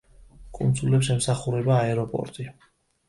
კუნძულებს ემსახურება აეროპორტი.